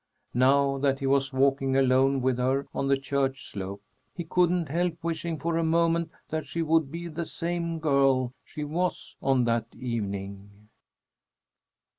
Now that he was walking alone with her on the church slope, he couldn't help wishing for a moment that she would be the same girl she was on that evening.